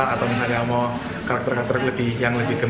atau misalnya mau karakter karakter yang lebih gemuk